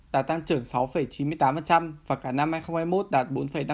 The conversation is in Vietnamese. đã tăng trưởng sáu chín mươi tám và cả năm hai nghìn hai mươi một đạt bốn năm mươi bốn